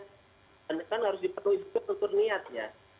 dan itu kan harus dipenuhi juga tentu niatnya